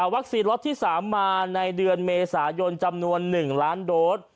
ล็อตที่๓มาในเดือนเมษายนจำนวน๑ล้านโดส